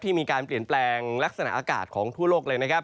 มีการเปลี่ยนแปลงลักษณะอากาศของทั่วโลกเลยนะครับ